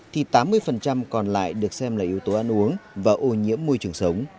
thì tám mươi còn lại được xem là yếu tố ăn uống và ô nhiễm môi trường sống